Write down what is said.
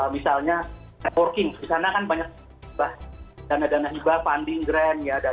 misalnya networking di sana kan banyak dana dana hibah funding grand ya